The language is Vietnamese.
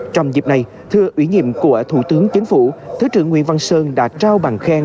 trong dịp này thưa ủy nhiệm của thủ tướng chính phủ thứ trưởng nguyễn văn sơn đã trao bằng khen